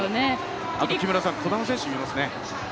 あと木村さん、児玉選手もいますね